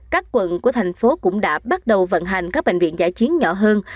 các quận của thành phố cũng đã bắt đầu vận hành các bệnh viện giải chiến nhỏ hơn